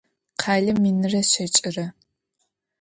Къэлэ минрэ щэкӏрэ.